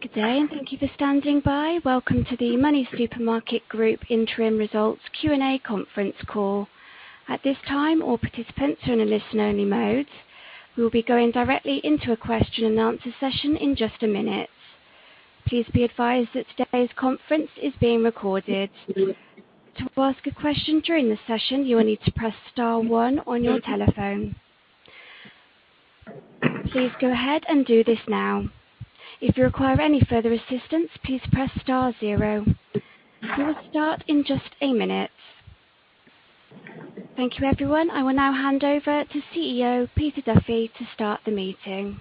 Good day, and thank you for standing by. Welcome to the MoneySuperMarket Group Interim Results Q&A Conference Call. At this time, all participants are in a listen-only mode. We will be going directly into a question and answer session in just a minute. Please be advised that today's conference is being recorded. To ask a question during the session, you will need to press star one on your telephone. Please go ahead and do this now. If you require any further assistance, please press star 0. We will start in just a minute. Thank you, everyone. I will now hand over to CEO, Peter Duffy, to start the meeting.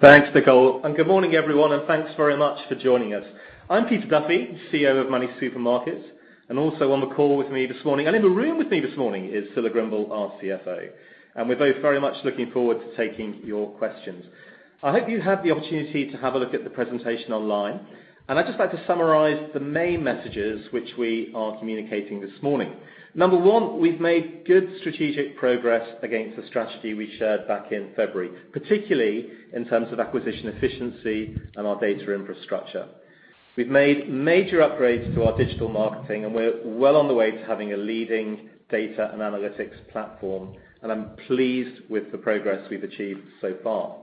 Thanks, Nicole, and good morning, everyone, and thanks very much for joining us. I'm Peter Duffy, CEO of MoneySuperMarket. Also on the call with me this morning, and in the room with me this morning is Scilla Grimble, our CFO. We're both very much looking forward to taking your questions. I hope you had the opportunity to have a look at the presentation online, and I'd just like to summarize the main messages which we are communicating this morning. Number one, we've made good strategic progress against the strategy we shared back in February, particularly in terms of acquisition efficiency and our data infrastructure. We've made major upgrades to our digital marketing, and we're well on the way to having a leading data and analytics platform, and I'm pleased with the progress we've achieved so far.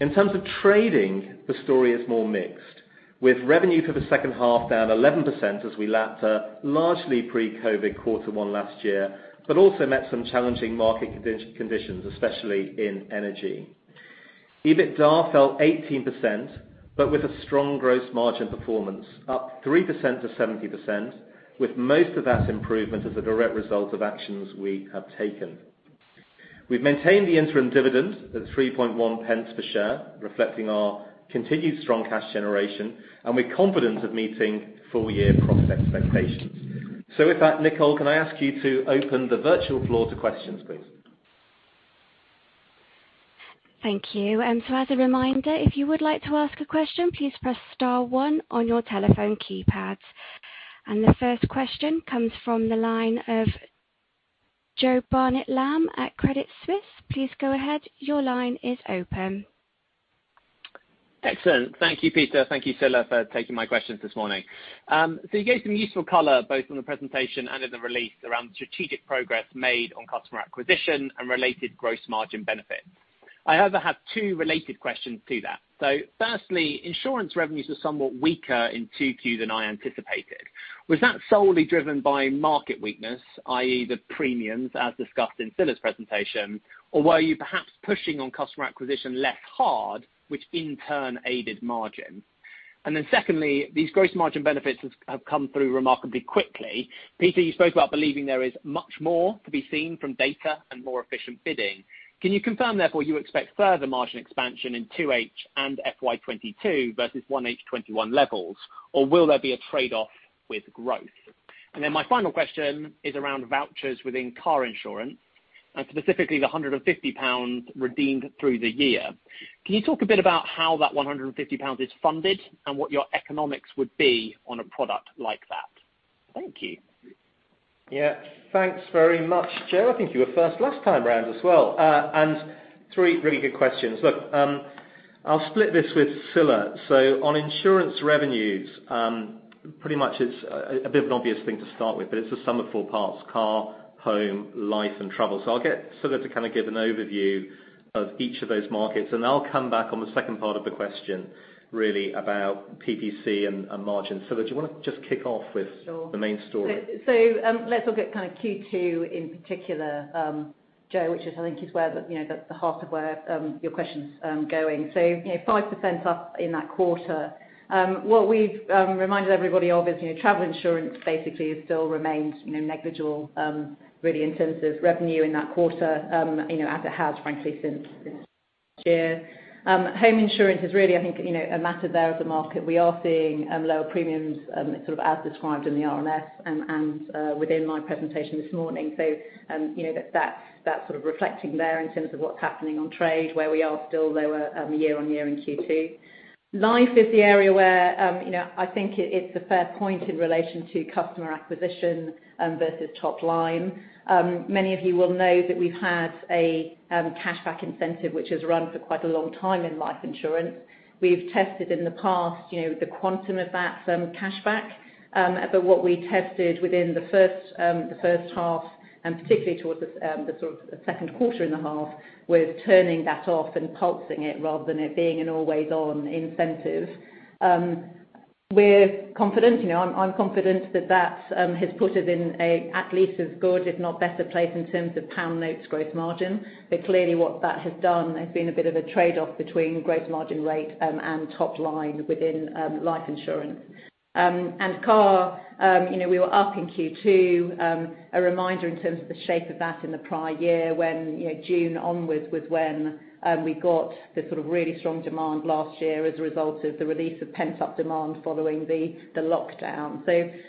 In terms of trading, the story is more mixed, with revenue for the second half down 11% as we lapped a largely pre-COVID quarter one last year, but also met some challenging market conditions, especially in energy. EBITDA fell 18%, but with a strong gross margin performance, up 3% to 70%, with most of that improvement as a direct result of actions we have taken. We've maintained the interim dividend at 0.031 per share, reflecting our continued strong cash generation, and we're confident of meeting full-year profit expectations. With that, Nicole, can I ask you to open the virtual floor to questions, please? Thank you. As a reminder, if you would like to ask a question, please press star one on your telephone keypad. The first question comes from the line of Joe Barnet-Lamb at Credit Suisse. Please go ahead. Excellent. Thank you, Peter. Thank you, Scilla, for taking my questions this morning. You gave some useful color, both on the presentation and in the release, around the strategic progress made on customer acquisition and related gross margin benefits. I have two related questions to that. Firstly, insurance revenues were somewhat weaker in Q2 than I anticipated. Was that solely driven by market weakness, i.e. the premiums, as discussed in Scilla's presentation, or were you perhaps pushing on customer acquisition less hard, which in turn aided margin? Secondly, these gross margin benefits have come through remarkably quickly. Peter, you spoke about believing there is much more to be seen from data and more efficient bidding. Can you confirm, therefore, you expect further margin expansion in 2H and FY 2022 versus 1H 2021 levels, or will there be a trade-off with growth? Then my final question is around vouchers within car insurance, and specifically the 150 pounds redeemed through the year. Can you talk a bit about how that 150 pounds is funded and what your economics would be on a product like that? Thank you. Yeah. Thanks very much, Joe. I think you were first last time around as well. Three really good questions. Look, I'll split this with Scilla. On insurance revenues, pretty much it's a bit of an obvious thing to start with, but it's the sum of four parts, car, home, life, and travel. I'll get Scilla to give an overview of each of those markets, and I'll come back on the second part of the question, really about PPC and margin. Scilla, do you want to just kick off with. Sure The main story? Let's look at Q2 in particular, Joe, which is I think is where the heart of where your question's going. 5% up in that quarter. What we've reminded everybody of is travel insurance basically still remains negligible, really, in terms of revenue in that quarter, as it has, frankly, since last year. Home insurance has really, I think, a mature market. We are seeing lower premiums, sort of as described in the RNS and within my presentation this morning. That's sort of reflecting there in terms of what's happening on trade, where we are still lower year-on-year in Q2. Life is the area where I think it's the fair point in relation to customer acquisition versus top line. Many of you will know that we've had a cashback incentive which has run for quite a long time in life insurance. We've tested in the past the quantum of that cashback. What we tested within the first half, and particularly towards the sort of second quarter in the half, was turning that off and pulsing it rather than it being an always-on incentive. I'm confident that that has put us in at least as good, if not better place in terms of pound notes gross margin. Car, we were up in Q2. A reminder in terms of the shape of that in the prior year when June onwards was when we got the sort of really strong demand last year as a result of the release of pent-up demand following the lockdown.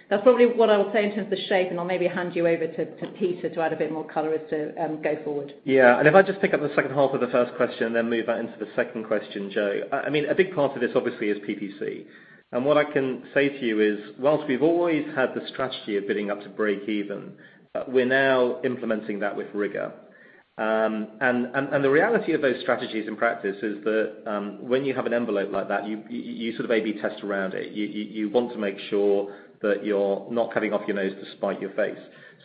That's probably what I would say in terms of the shape, and I'll maybe hand you over to Peter to add a bit more color as to go forward. Yeah. If I just pick up the second half of the first question, then move that into the second question, Joe. A big part of this, obviously, is PPC. What I can say to you is, whilst we've always had the strategy of bidding up to break even, we're now implementing that with rigor. The reality of those strategies in practice is that when you have an envelope like that, you sort of A/B test around it. You want to make sure that you're not cutting off your nose to spite your face.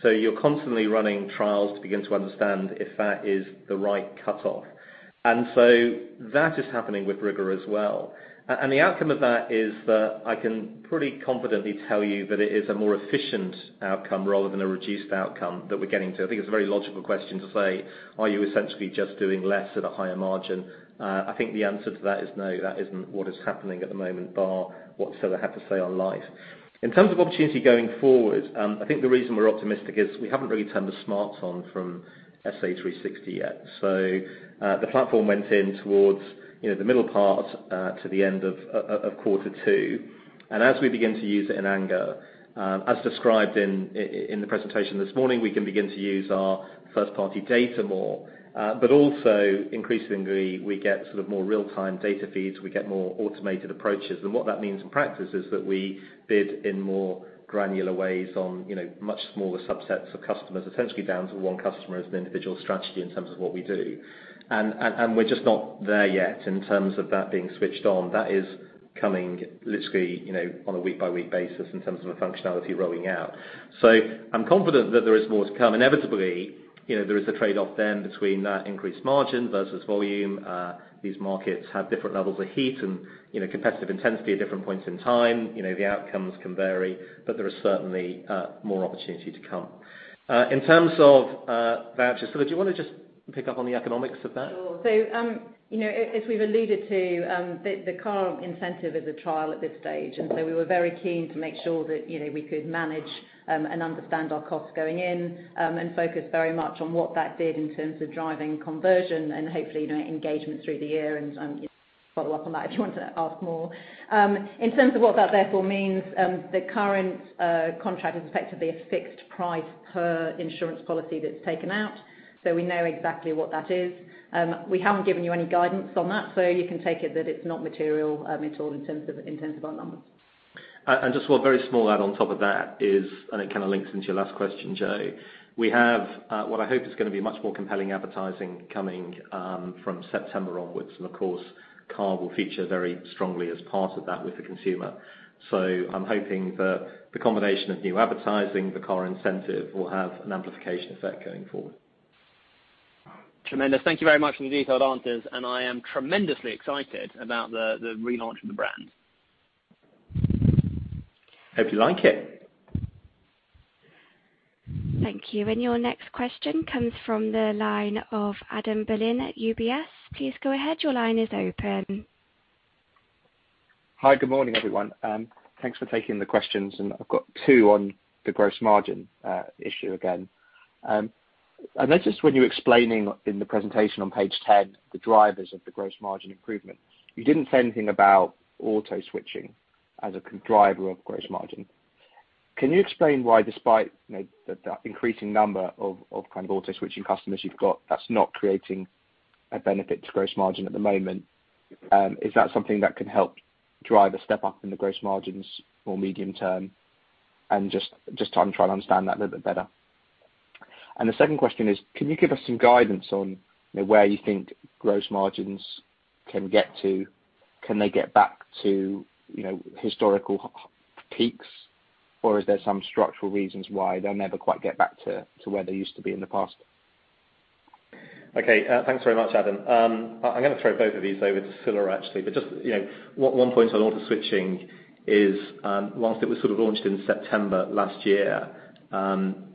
You're constantly running trials to begin to understand if that is the right cutoff. That is happening with rigor as well. The outcome of that is that I can pretty confidently tell you that it is a more efficient outcome rather than a reduced outcome that we're getting to. I think it's a very logical question to say, are you essentially just doing less at a higher margin? I think the answer to that is no, that isn't what is happening at the moment, bar what Scilla have to say on life. In terms of opportunity going forward, I think the reason we're optimistic is we haven't really turned the smarts on from SA360 yet. The platform went in towards the middle part to the end of quarter two. As we begin to use it in anger, as described in the presentation this morning, we can begin to use our first party data more, but also increasingly, we get sort of more real time data feeds. We get more automated approaches. What that means in practice is that we bid in more granular ways on much smaller subsets of customers, potentially down to one customer as an individual strategy in terms of what we do. We're just not there yet in terms of that being switched on. That is coming literally on a week by week basis in terms of the functionality rolling out. I'm confident that there is more to come. Inevitably, there is a trade-off then between that increased margin versus volume. These markets have different levels of heat and competitive intensity at different points in time. The outcomes can vary, but there is certainly more opportunity to come. In terms of vouchers, Scilla do you want to just pick up on the economics of that? Sure. As we've alluded to, the car incentive is a trial at this stage, and so we were very keen to make sure that we could manage and understand our costs going in, and focus very much on what that did in terms of driving conversion and hopefully engagement through the year. Follow up on that if you want to ask more. In terms of what that therefore means, the current contract is effectively a fixed price per insurance policy that's taken out, so we know exactly what that is. We haven't given you any guidance on that, so you can take it that it's not material at all in terms of our numbers. Just one very small add on top of that is, and it kind of links into your last question, Joe. We have what I hope is going to be much more compelling advertising coming from September onwards. Of course, car will feature very strongly as part of that with the consumer. I'm hoping that the combination of new advertising, the car incentive, will have an amplification effect going forward. Tremendous. Thank you very much for the detailed answers. I am tremendously excited about the relaunch of the brand. Hope you like it. Thank you. Your next question comes from the line of Adam Berlin at UBS. Please go ahead. Your line is open. Hi. Good morning, everyone. Thanks for taking the questions. I've got two on the gross margin issue again. I noticed when you were explaining in the presentation on page 10, the drivers of the gross margin improvement, you didn't say anything about auto switching as a driver of gross margin. Can you explain why, despite the increasing number of kind of auto switching customers you've got, that's not creating a benefit to gross margin at the moment? Is that something that can help drive a step up in the gross margins more medium term? Just trying to understand that a little bit better. The second question is, can you give us some guidance on where you think gross margins can get to? Can they get back to historical peaks? Is there some structural reasons why they'll never quite get back to where they used to be in the past? Okay. Thanks very much, Adam. I'm going to throw both of these over to Scilla actually, but just one point on auto switching is, whilst it was sort of launched in September last year,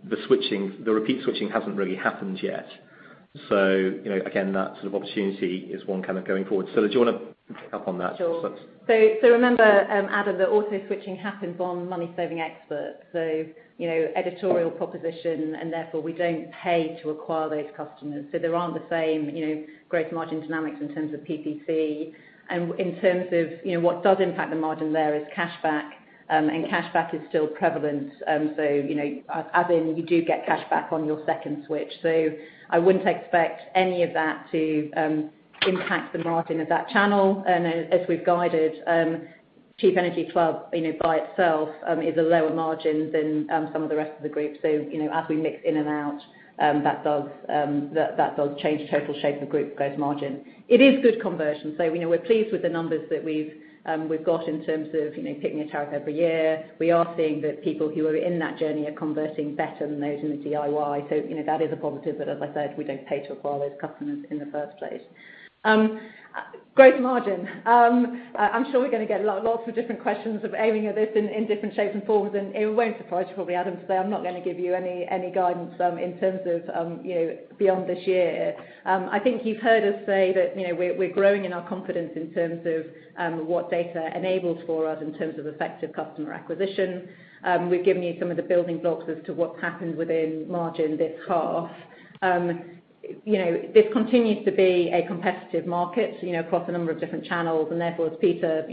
the repeat switching hasn't really happened yet. Again, that sort of opportunity is one kind of going forward. Scilla, do you want to pick up on that? Sure. Remember, Adam, that auto switching happened on MoneySavingExpert. Editorial proposition, and therefore we don't pay to acquire those customers. There aren't the same gross margin dynamics in terms of PPC. In terms of what does impact the margin there is cashback, and cashback is still prevalent. Adam, you do get cashback on your second switch, so I wouldn't expect any of that to impact the margin of that channel. As we've guided, Cheap Energy Club by itself is a lower margin than some of the rest of the group. As we mix in and out, that does change the total shape of group gross margin. It is good conversion. We're pleased with the numbers that we've got in terms of picking a tariff every year. We are seeing that people who are in that journey are converting better than those in the DIY. That is a positive. As I said, we don't pay to acquire those customers in the first place. Gross margin. I'm sure we're going to get lots of different questions of aiming at this in different shapes and forms, and it won't surprise you probably, Adam, to say I'm not going to give you any guidance in terms of beyond this year. I think you've heard us say that we're growing in our confidence in terms of what data enables for us in terms of effective customer acquisition. We've given you some of the building blocks as to what's happened within margin this half. This continues to be a competitive market across a number of different channels, and therefore, as Peter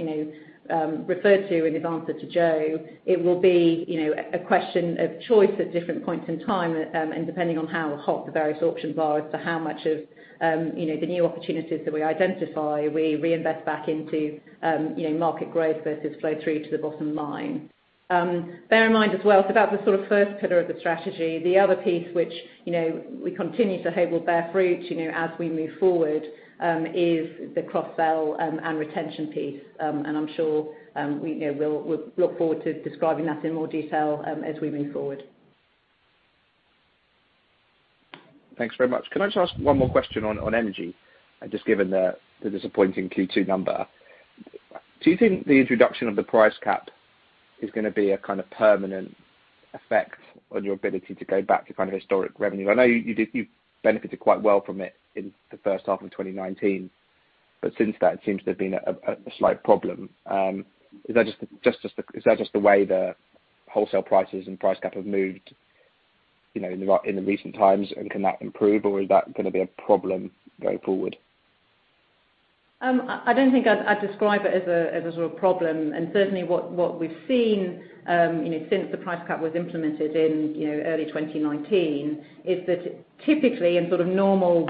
referred to in his answer to Joe, it will be a question of choice at different points in time, and depending on how hot the various options are as to how much of the new opportunities that we identify, we reinvest back into market growth versus flow through to the bottom line. Bear in mind as well, that was sort of first pillar of the strategy. The other piece which we continue to hope will bear fruit as we move forward, is the cross-sell and retention piece. I'm sure we'll look forward to describing that in more detail as we move forward. Thanks very much. Can I just ask one more question on energy? Just given the disappointing Q2 number, do you think the introduction of the price cap is going to be a kind of permanent effect on your ability to go back to historic revenue? I know you benefited quite well from it in the first half of 2019, but since that, it seems to have been a slight problem. Is that just the way the wholesale prices and price cap have moved in the recent times, and can that improve, or is that going to be a problem going forward? I don't think I'd describe it as a problem. Certainly what we've seen since the price cap was implemented in early 2019, is that typically in normal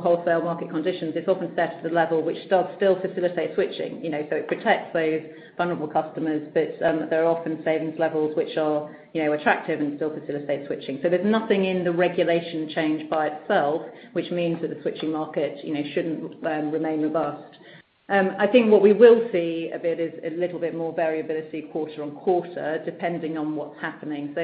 wholesale market conditions, it's often set to the level which does still facilitate switching. It protects those vulnerable customers, but there are often savings levels which are attractive and still facilitate switching. There's nothing in the regulation change by itself, which means that the switching market shouldn't remain robust. I think what we will see a bit is a little bit more variability quarter on quarter, depending on what's happening.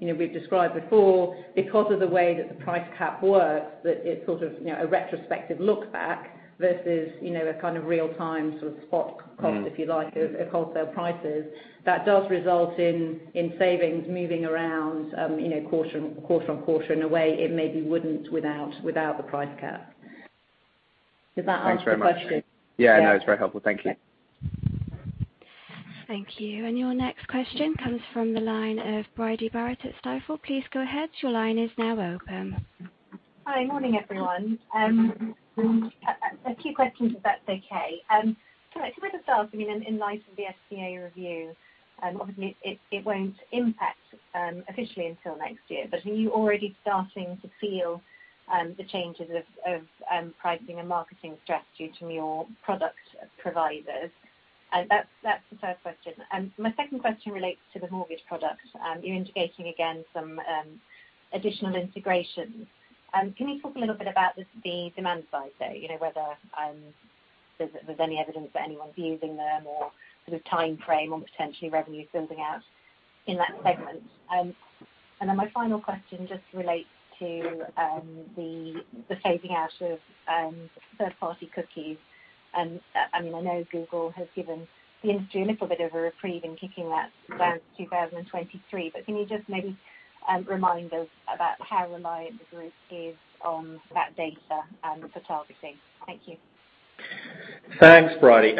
We've described before, because of the way that the price cap works, that it's sort of a retrospective look back versus a kind of real-time spot check, if you like, of wholesale prices. That does result in savings moving around quarter-on-quarter in a way it maybe wouldn't without the price cap. Does that answer the question? Thanks very much. Yeah, no, it's very helpful. Thank you. Thank you. Your next question comes from the line of Bridie Barrett at Stifel. Please go ahead. Your line is now open. Hi. Morning, everyone. A few questions, if that's okay. To start, in light of the FCA review, obviously it won't impact officially until next year, but are you already starting to feel the changes of pricing and marketing strategy from your product providers? That's the first question. My second question relates to the mortgage product. You're indicating again some additional integration. Can you talk a little bit about the demand side, though? Whether there's any evidence that anyone's using them or sort of timeframe on potentially revenue building out in that segment? My final question just relates to the phasing out of third-party cookies. I know Google has given the industry a little bit of a reprieve in kicking that to 2023, can you just maybe remind us about how reliant the group is on that data for targeting? Thank you. Thanks, Bridie.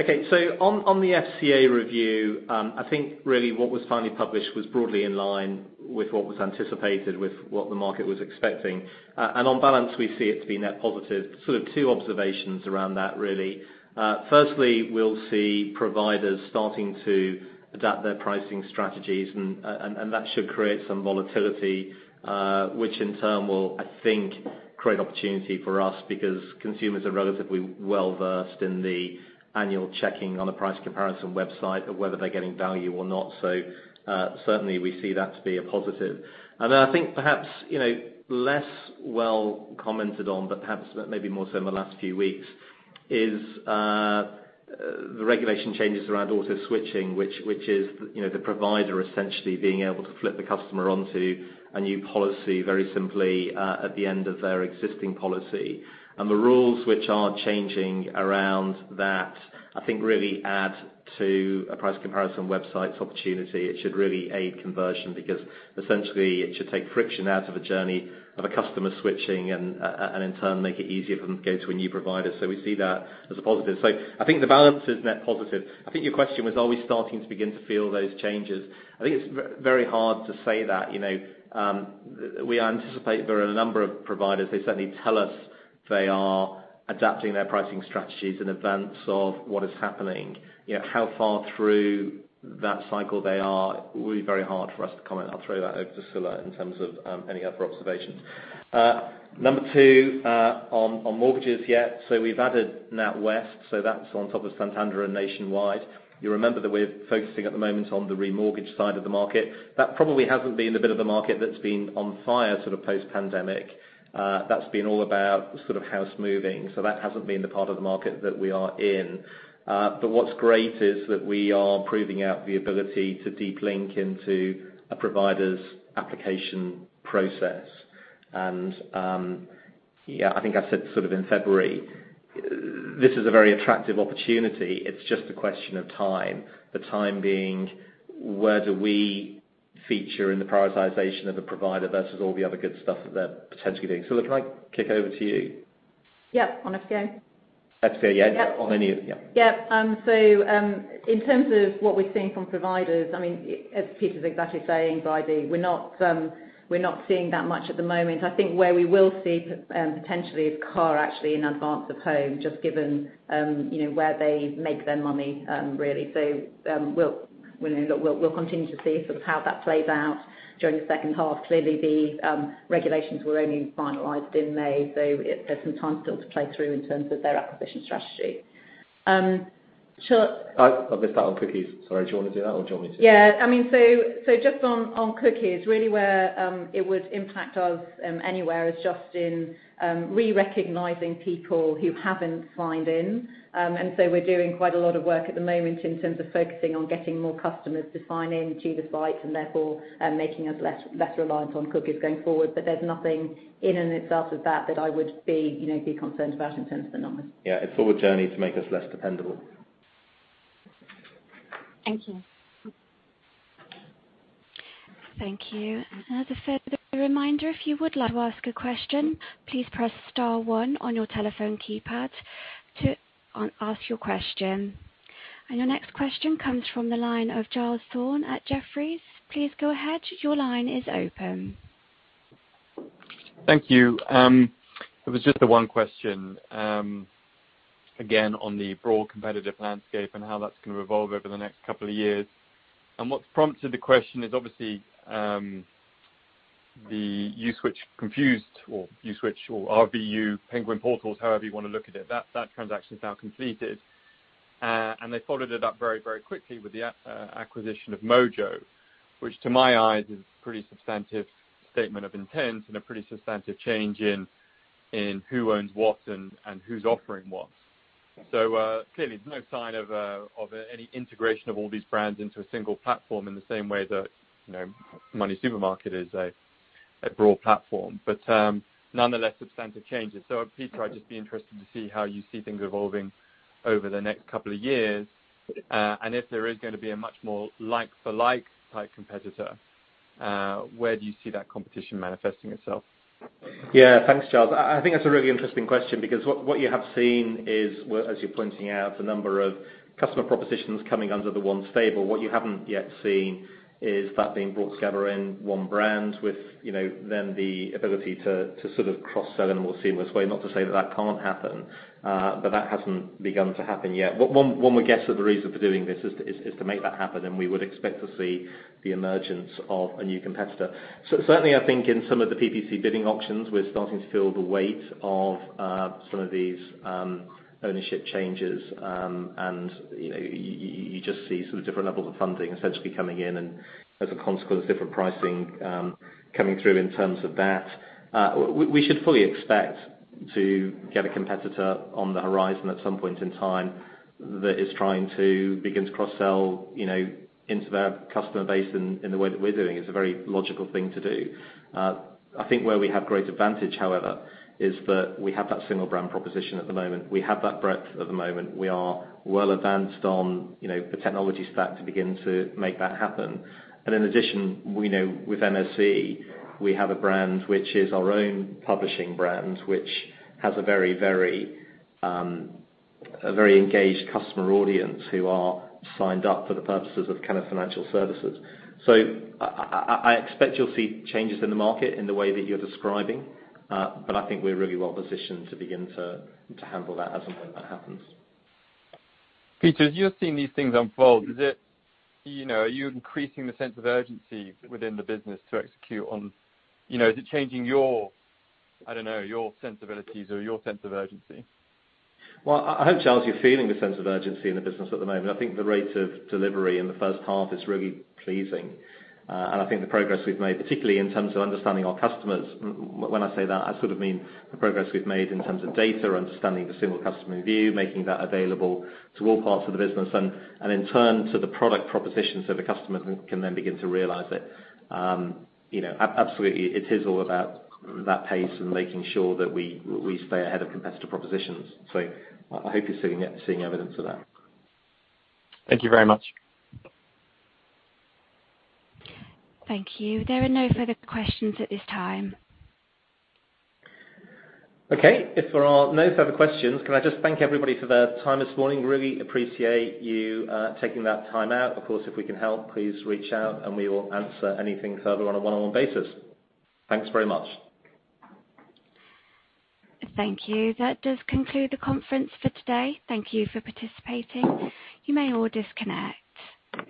On the FCA review, I think really what was finally published was broadly in line with what was anticipated with what the market was expecting. On balance, we see it to be net positive. Sort of two observations around that, really. Firstly, we'll see providers starting to adapt their pricing strategies, and that should create some volatility, which in turn will, I think, create opportunity for us because consumers are relatively well-versed in the annual checking on a price comparison website of whether they're getting value or not. Certainly we see that to be a positive. I think perhaps less well commented on, but perhaps maybe more so in the last few weeks, is the regulation changes around auto switching, which is the provider essentially being able to flip the customer onto a new policy very simply, at the end of their existing policy. The rules which are changing around that, I think really add to a price comparison website's opportunity. It should really aid conversion because essentially it should take friction out of a journey of a customer switching and, in turn, make it easier for them to go to a new provider. We see that as a positive. I think the balance is net positive. I think your question was are we starting to begin to feel those changes? I think it's very hard to say that. We anticipate there are a number of providers, they certainly tell us they are adapting their pricing strategies in advance of what is happening. How far through that cycle they are would be very hard for us to comment. I'll throw that over to Scilla in terms of any other observations. Number two, on mortgages, yeah. We've added NatWest, so that's on top of Santander and Nationwide. You remember that we're focusing at the moment on the remortgage side of the market. That probably hasn't been the bit of the market that's been on fire post pandemic. That's been all about house moving. That hasn't been the part of the market that we are in. What's great is that we are proving out the ability to deep link into a provider's application process. Yeah, I think I said sort of in February, this is a very attractive opportunity. It's just a question of time, the time being where do we feature in the prioritization of a provider versus all the other good stuff that they're potentially doing. Scilla, can I kick over to you? Yeah. On FCA? FCA, yeah. On yeah. Yeah. In terms of what we're seeing from providers, as Peter's exactly saying, Bridie, we're not seeing that much at the moment. I think where we will see potentially is car actually in advance of home, just given where they make their money, really. We'll continue to see how that plays out during the second half. Clearly, the regulations were only finalized in May, so there's some time still to play through in terms of their acquisition strategy. Sure. I missed that on cookies. Sorry, do you want to do that or do you want me to? Just on cookies, really where it would impact us anywhere is just in re-recognizing people who haven't signed in. We're doing quite a lot of work at the moment in terms of focusing on getting more customers to sign in to the site, and therefore making us less reliant on cookies going forward. There's nothing in and itself of that I would be concerned about in terms of the numbers. Yeah, it's a journey to make us less dependable. Thank you. Thank you. As a further reminder, if you would like to ask a question, please press star one on your telephone keypad to ask your question. Your next question comes from the line of Giles Thorne at Jefferies. Please go ahead. Your line is open. Thank you. It was just the one question. Again, on the broad competitive landscape and how that's going to evolve over the next couple of years. What's prompted the question is obviously, the Uswitch confused or Uswitch or RVU Penguin Portals, however you want to look at it. That transaction's now completed. They followed it up very quickly with the acquisition of Mojo, which to my eyes is a pretty substantive statement of intent and a pretty substantive change in who owns what and who's offering what. Clearly, there's no sign of any integration of all these brands into a single platform in the same way that MoneySuperMarket is a broad platform. Nonetheless, substantive changes. Peter, I'd just be interested to see how you see things evolving over the next couple of years. If there is going to be a much more like-for-like type competitor, where do you see that competition manifesting itself? Yeah. Thanks, Giles. I think that's a really interesting question because what you have seen is, as you're pointing out, a number of customer propositions coming under the one stable. What you haven't yet seen is that being brought together in one brand with then the ability to sort of cross-sell in a more seamless way. Not to say that that can't happen, but that hasn't begun to happen yet. One would guess that the reason for doing this is to make that happen, and we would expect to see the emergence of a new competitor. Certainly, I think in some of the PPC bidding auctions, we're starting to feel the weight of some of these ownership changes. You just see sort of different levels of funding essentially coming in. As a consequence, different pricing coming through in terms of that. We should fully expect to get a competitor on the horizon at some point in time that is trying to begin to cross-sell into their customer base in the way that we're doing. It's a very logical thing to do. I think where we have great advantage, however, is that we have that single brand proposition at the moment. We have that breadth at the moment. We are well advanced on the technology stack to begin to make that happen. In addition, we know with MSE, we have a brand which is our own publishing brand, which has a very engaged customer audience who are signed up for the purposes of kind of financial services. I expect you'll see changes in the market in the way that you're describing. I think we're really well positioned to begin to handle that as and when that happens. Peter, as you're seeing these things unfold, are you increasing the sense of urgency within the business? Is it changing your sensibilities or your sense of urgency? Well, I hope, Giles, you're feeling the sense of urgency in the business at the moment. I think the rate of delivery in the first half is really pleasing. I think the progress we've made, particularly in terms of understanding our customers. When I say that, I sort of mean the progress we've made in terms of data, understanding the single customer view, making that available to all parts of the business, and in turn to the product proposition so the customer can then begin to realize it. Absolutely. It is all about that pace and making sure that we stay ahead of competitor propositions. I hope you're seeing evidence of that. Thank you very much. Thank you. There are no further questions at this time. Okay. If there are no further questions, can I just thank everybody for their time this morning. Really appreciate you taking that time out. Of course, if we can help, please reach out, and we will answer anything further on a one-on-one basis. Thanks very much. Thank you. That does conclude the conference for today. Thank you for participating. You may all disconnect.